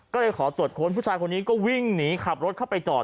ก็เลยขอตรวจค้นผู้ชายคนนี้ก็วิ่งหนีขับรถเข้าไปจอด